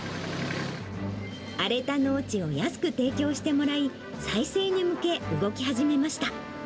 荒れた農地を安く提供してもらい、再生に向け、動き始めました。